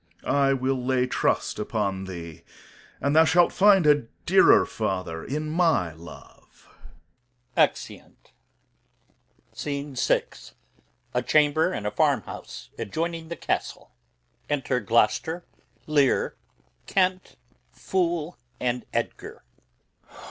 Corn. I will lay trust upon thee, and thou shalt find a dearer father in my love. Exeunt. Scene VI. A farmhouse near Gloucester's Castle. Enter Gloucester, Lear, Kent, Fool, and Edgar.